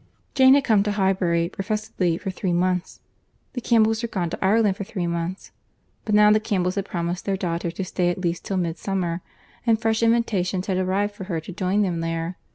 Jane had come to Highbury professedly for three months; the Campbells were gone to Ireland for three months; but now the Campbells had promised their daughter to stay at least till Midsummer, and fresh invitations had arrived for her to join them there.